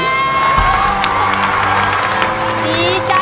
ร้องจาน